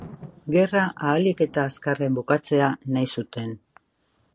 Gerra ahalik eta azkarren bukatzea nahi zuten.